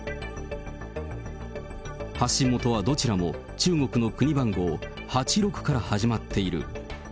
発信元はどちらも中国の国番号８６から始まっている。